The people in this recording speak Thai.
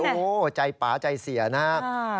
โอ้โฮใจป่าใจเสียนะฮะ